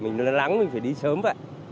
mình lắng mình phải đi sớm vậy